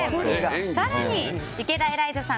更に、池田エライザさん